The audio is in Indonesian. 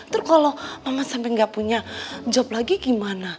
terus kalau mama sampai nggak punya job lagi gimana